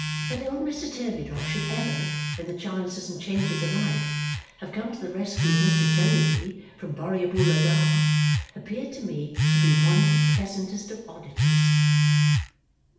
That old Mr. Turveydrop should ever, in the chances and changes of life, have come to the rescue of Mr. Jellyby from Borrioboola Gha appeared to me to be one of the pleasantest of oddities.